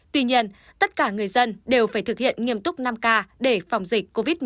hai nghìn hai mươi hai tuy nhiên tất cả người dân đều phải thực hiện nghiêm túc năm k để phòng dịch covid một mươi chín